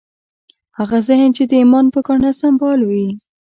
هغه ذهن چې د ایمان په ګاڼه سمبال وي